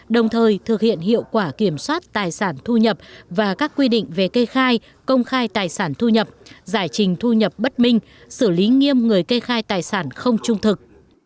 đồng thời thực hiện hiệu quả kiểm soát tài sản thu nhập và các quy định về kê khai công khai tài sản thu nhập giải trình thu nhập bất minh xử lý nghiêm người kê khai tài sản không trung thực